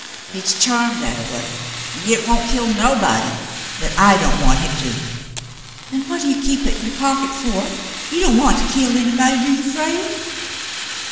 Hit's charmed that a way, 'at hit won't kill nobody what I don't want hit to." "Then what do you keep it in your pocket for? You don't want to kill anybody, do you, Frale